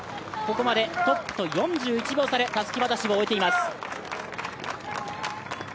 ここまでトップと４１秒差でたすき渡しを終えています。